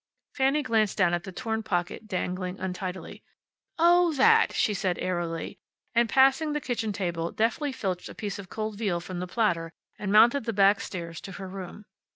Fanny glanced down at the torn pocket dangling untidily. "Oh, that!" she said airily. And, passing the kitchen table, deftly filched a slice of cold veal from the platter, and mounted the back stairs to her room.